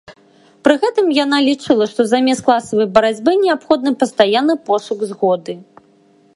Пры гэтым яна лічыла, што замест класавай барацьбы неабходны пастаянны пошук згоды.